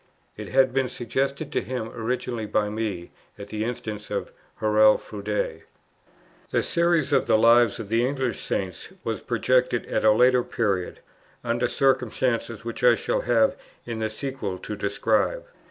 It had been suggested to him originally by me, at the instance of Hurrell Froude. The Series of the Lives of the English Saints was projected at a later period, under circumstances which I shall have in the sequel to describe.